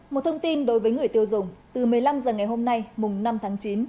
một thông tin đối với người tiêu dùng từ một mươi năm h ngày hôm nay mùng năm tháng chín